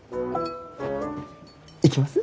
行きます？